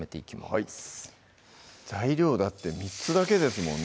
はい材料だって３つだけですもんね